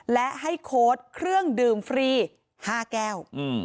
และให้โค้ดเครื่องดื่มฟรี๕แก้ว